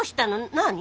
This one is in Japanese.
何？